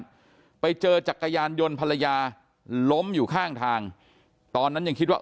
ไปเจอจักรยานยนต์ภรรยาล้มอยู่ข้างทางตอนนั้นยังคิดว่า